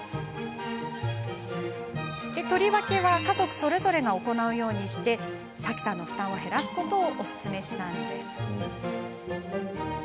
取り分けは家族それぞれが行うようにしてさきさんの負担を減らすことをおすすめしました。